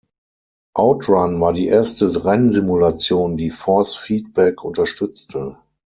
Out Run war die erste Rennsimulation, die Force Feedback unterstützte.